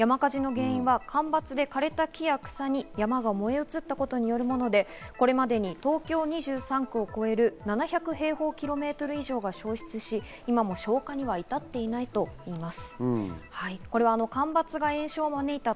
山火事の原因が干ばつでかれた木や草に火が燃え移ったというもので、これまでに東京２３区を超える７万ヘクタール以上が焼失し、今も消火には至っていないと言います。